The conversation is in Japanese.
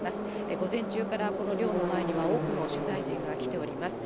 午前中からこの寮の前には多くの取材陣が来ております。